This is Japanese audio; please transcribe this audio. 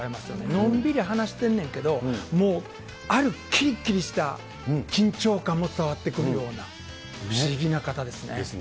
のんびり話してるねんけど、もう、あるきりきりした緊張感も伝わってくるような、不思議な方ですね。